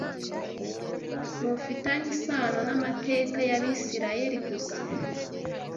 ntufitanye isano n’amateka y’Abisirayeli gusa